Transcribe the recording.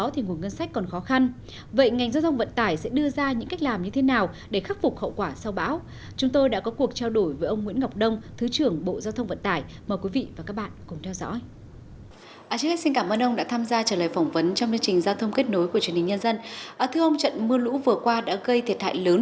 thưa ông trận mưa lũ vừa qua đã gây thiệt hại lớn